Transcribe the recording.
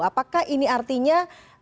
apakah ini artinya